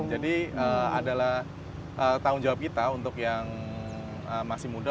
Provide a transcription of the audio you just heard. jadi adalah tahun jawab kita untuk yang masih muda